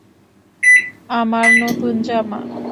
আমার নতুন জামা!